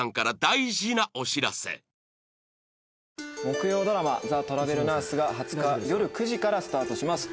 木曜ドラマ『ザ・トラベルナース』が２０日よる９時からスタートします。